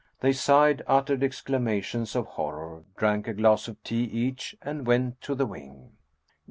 They sighed, uttered exclamations of horror, drank a glass of tea each, and went to the wing.